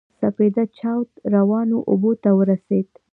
سپېده چاود روانو اوبو ته ورسېدل.